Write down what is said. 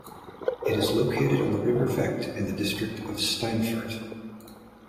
It is located on the river Vechte in the district of Steinfurt.